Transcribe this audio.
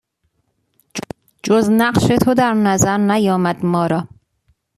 جز نقش تو در نظر نیامد ما را